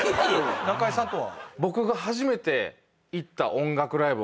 中居さんとは？